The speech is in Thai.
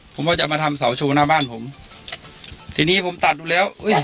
ผมก็จะมาทำเสาโชว์หน้าบ้านผมทีนี้ผมตัดดูแล้วอุ้ย